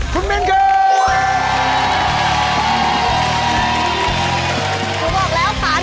สังสมัย